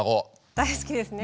大好きですね。